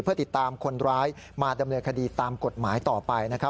เพื่อติดตามคนร้ายมาดำเนินคดีตามกฎหมายต่อไปนะครับ